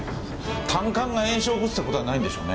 胆管が炎症起こすって事はないんでしょうね？